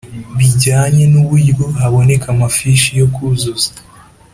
Bijyanye n’ uburyo haboneka amafishi yo kuzuza